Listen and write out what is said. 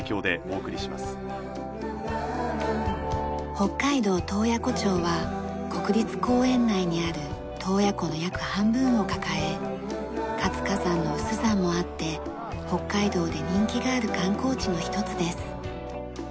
北海道洞爺湖町は国立公園内にある洞爺湖の約半分を抱え活火山の有珠山もあって北海道で人気がある観光地の一つです。